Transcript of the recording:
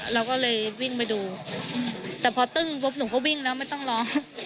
เราก็เลยวิ่งไปดูแต่พอตึ้งปุ๊บหนูก็วิ่งแล้วไม่ต้องร้อง